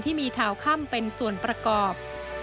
ที่มีทาวค่ำเป็นส่วนประกอบ